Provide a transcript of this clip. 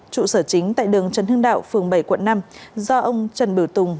trụ sở chính tại đường trần hưng đạo phường bảy quận năm do ông trần biểu tùng